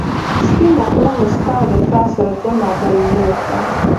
سپينه خلۀ مې ستا ده، تا سره ځمه بل لور ته